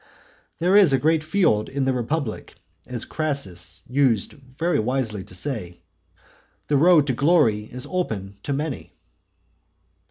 There is a great field in the republic, as Crassus used very wisely to say; the road to glory is open to many.